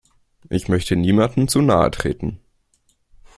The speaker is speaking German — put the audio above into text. Ich möchte niemandem zu nahe treten.